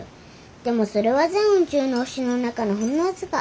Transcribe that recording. でもそれは全宇宙の星の中のほんの僅か。